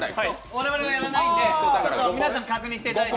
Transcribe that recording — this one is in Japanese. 我々はやらないので、皆さん確認していただいて。